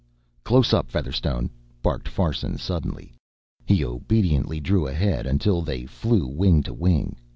"Close up, Featherstone!" barked Farson suddenly. He obediently drew ahead until they flew wing to wing.